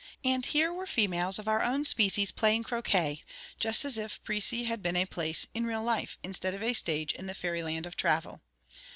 And here were females of our own species playing croquet, just as if Précy had been a place in real life, instead of a stage in the fairyland of travel.